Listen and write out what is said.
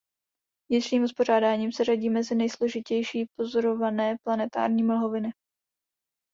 Vnitřním uspořádáním se řadí mezi nejsložitější pozorované planetární mlhoviny.